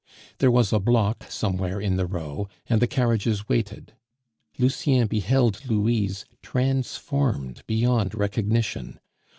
There was a block somewhere in the row, and the carriages waited. Lucien beheld Louise transformed beyond recognition.